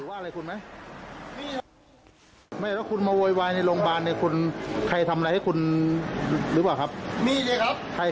บอกว่าพูดว่าไงมาก่อนพูดว่าอะไร